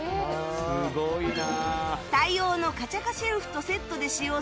すごいな！